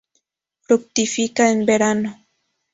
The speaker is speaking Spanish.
Fructifica en verano.